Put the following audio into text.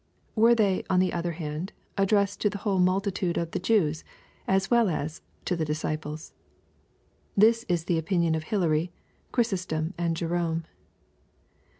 Were they, on the other hand, addressed to the whole multitude of the Jews, as well as to the disciples ? This is the opinion of Hilary, Chiysostom, and Jerome.